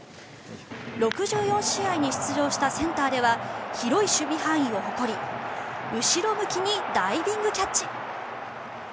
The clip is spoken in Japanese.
６４試合に出場したセンターでは広い守備範囲を誇り後ろ向きにダイビングキャッチ。